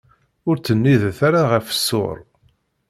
Ur ttennidet ara ɣef ṣṣuṛ.